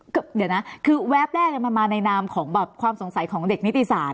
เดี๋ยวนะคือแวบแรกมันมาในนามของแบบความสงสัยของเด็กนิติศาสต